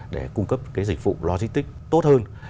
để cung cấp dịch vụ logistics tốt hơn